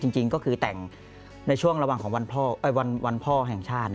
จริงก็คือแต่งในช่วงระหว่างของวันพ่อแห่งชาติ